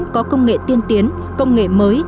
có công nghệ tiên tiến công nghệ mới